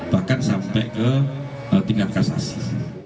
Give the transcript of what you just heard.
bahkan sampai ke tingkat kasasi